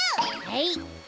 はい。